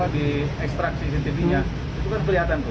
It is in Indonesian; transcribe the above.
di ekstra cctv nya itu kan kelihatan